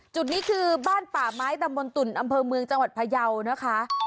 จุดนี้คือบ้านป่าไม้ตำบลตุ่นอำเภอเมืองจังหวัดพยาวนะคะ